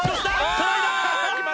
トライだ！